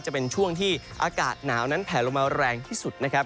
จะเป็นช่วงที่อากาศหนาวนั้นแผลลงมาแรงที่สุดนะครับ